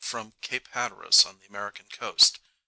from Cape Hatteras on the American coast.